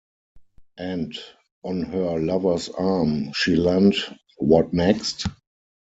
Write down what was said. "And on her lover's arm she leant" — what next?